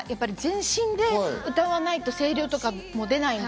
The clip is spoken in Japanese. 全身で歌わないと声量とかも出ないんで。